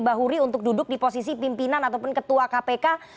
bahuri untuk duduk di posisi pimpinan ataupun ketua kpk